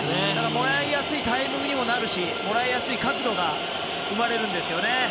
もらいやすいタイミングにもなるしもらいやすい角度が生まれるんですよね。